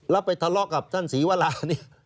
แล้วไปทะเลาะกับท่านศรีวราเนี่ย